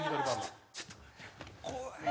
怖い。